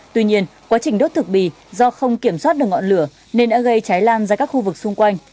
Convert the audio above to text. tuy nhiên quá trình đốt thực bì do không kiểm soát được ngọn lửa nên đã gây cháy lan ra các khu vực xung quanh